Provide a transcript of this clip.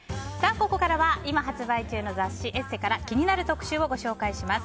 ここからは今発売中の雑誌「ＥＳＳＥ」から気になる特集をご紹介します。